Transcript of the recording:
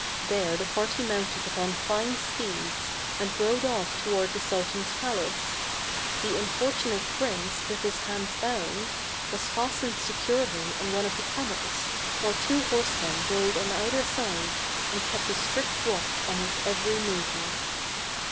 There the party mounted upon fine steeds and rode off toward the sultan's palace. The unfortunate prince with his hands bound, was fastened securely on one of the camels, while two horsemen rode on either side, and kept a strict watch on his every movement.